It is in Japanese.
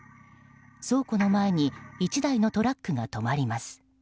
倉庫の前に１台のトラックが止まります。